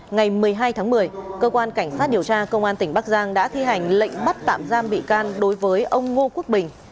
ngày một mươi hai tháng một mươi cơ quan cảnh sát điều tra công an tỉnh bắc giang đã thi hành lệnh bắt tạm giam bị can đối với ông ngô quốc bình